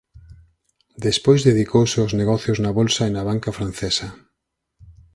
Despois dedicouse aos negocios na bolsa e na banca francesa.